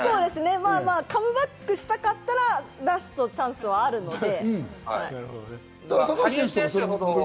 カムバックしたかったらラストチャンスはあるので。